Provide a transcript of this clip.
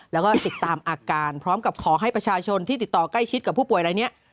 แล้วก็ติดตามอาการพร้อมกับขอให้ประชาชนที่ติดต่อใกล้ชิดกับผู้ป่วยอะไรเนี่ย